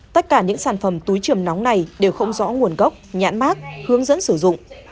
tất cả những sản phẩm túi trường nóng này đều không rõ nguồn gốc nhãn mát hướng dẫn sử dụng